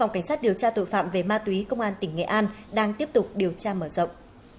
quý công an tỉnh nghệ an đang tiếp tục điều tra mở rộng